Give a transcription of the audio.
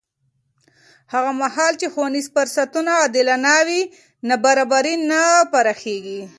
هغه مهال چې ښوونیز فرصتونه عادلانه وي، نابرابري نه پراخېږي.